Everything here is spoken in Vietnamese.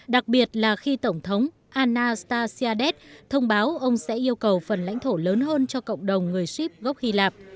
đặc biệt là khi tổng thống anastasiadis thông báo ông sẽ yêu cầu phần lãnh thổ lớn hơn cho cộng đồng người sip gốc hy lạp